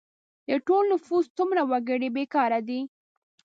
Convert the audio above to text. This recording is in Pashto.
د ټول نفوس څومره وګړي بې کاره دي؟